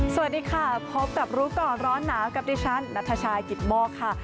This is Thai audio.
สวัสดีค่ะพบกับรู้ก่อนร้อนหนาวกับดิฉันนัทชายกิตโมกค่ะ